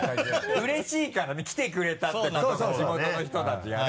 うれしいからね来てくれたってことが地元の人たちはね。